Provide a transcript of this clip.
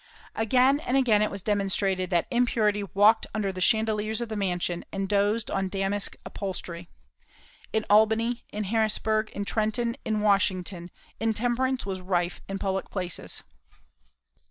Again and again it was demonstrated that impurity walked under the chandeliers of the mansion, and dozed on damask upholstery. In Albany, in Harrisburg, in Trenton, in Washington, intemperance was rife in public places.